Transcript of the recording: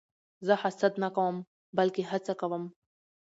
زه حسد نه کوم؛ بلکې هڅه کوم.